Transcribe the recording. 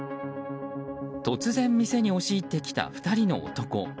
突然、店に押し入ってきた２人の男。